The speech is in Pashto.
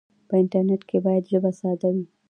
په انټرنیټ کې باید ژبه ساده وي.